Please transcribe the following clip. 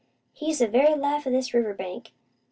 He's the very life o' this river bank.